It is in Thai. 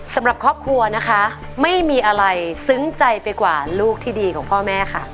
สำหรับครอบครัวนะคะไม่มีอะไรซึ้งใจไปกว่าลูกที่ดีของพ่อแม่ค่ะ